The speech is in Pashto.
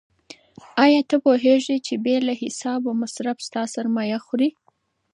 آیا ته پوهېږې چې بې له حسابه مصرف ستا سرمایه خوري؟